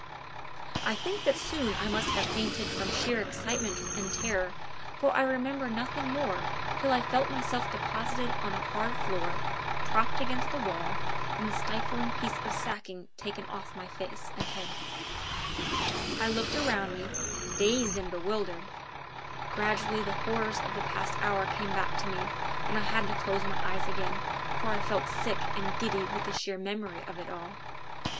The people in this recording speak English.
I think that soon I must have fainted from sheer excitement and terror, for I remember nothing more till I felt myself deposited on a hard floor, propped against the wall, and the stifling piece of sacking taken off my head and face. I looked around me, dazed and bewildered; gradually the horrors of the past hour came back to me, and I had to close my eyes again, for I felt sick and giddy with the sheer memory of it all.